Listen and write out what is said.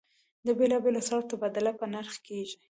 د بېلابېلو اسعارو تبادله په نرخ کېږي.